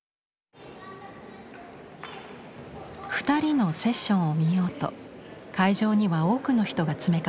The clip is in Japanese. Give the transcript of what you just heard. ２人のセッションを見ようと会場には多くの人が詰めかけました。